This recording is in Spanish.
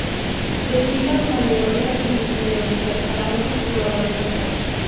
Su estilo sólido era difícil de vencer para muchos jugadores de ataque.